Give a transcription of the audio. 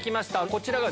こちらが。